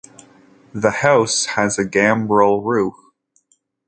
The house has a gambrel roof.